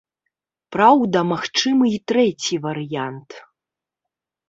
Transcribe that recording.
Праўда, магчымы і трэці варыянт.